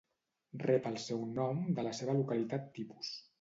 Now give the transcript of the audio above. Rep el seu nom de la seva localitat tipus.